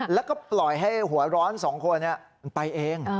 แล้วก็ปล่อยให้หัวร้อนสองคนไปเอง